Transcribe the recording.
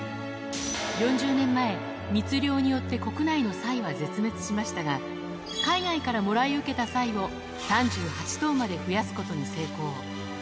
４０年前、密猟によって国内のサイは絶滅しましたが、海外からもらい受けたサイを３８頭まで増やすことに成功。